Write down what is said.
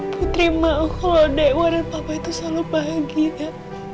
putri mohon kalau dewa dan papa itu selalu bahagia